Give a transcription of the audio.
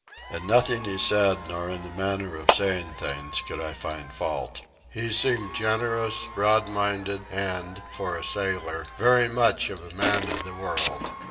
In nothing he said, nor in the manner of saying things, could I find fault. He seemed generous, broad minded, and, for a sailor, very much of a man of the world.